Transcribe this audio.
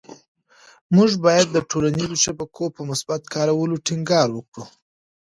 موږ باید د ټولنيزو شبکو په مثبت کارولو ټینګار وکړو.